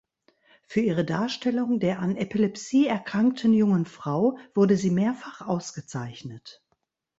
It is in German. Für ihre Darstellung der an Epilepsie erkrankten jungen Frau wurde sie mehrfach ausgezeichnet.